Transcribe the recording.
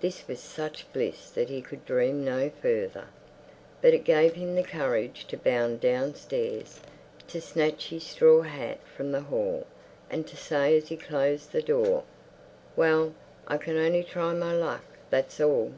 This was such bliss that he could dream no further. But it gave him the courage to bound downstairs, to snatch his straw hat from the hall, and to say as he closed the front door, "Well, I can only try my luck, that's all."